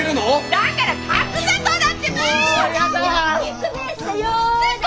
だから角砂糖だってば！